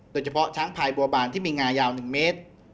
โดยเฉพาะช้างพายบัวบานที่มีงายาว๑เมตร